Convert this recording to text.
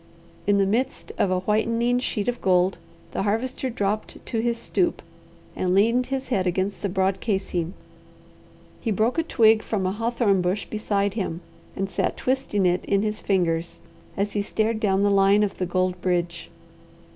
In the midst of a whitening sheet of gold the Harvester dropped to his stoop and leaned his head against the broad casing. He broke a twig from a hawthorn bush beside him, and sat twisting it in his fingers as he stared down the line of the gold bridge.